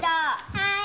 はい！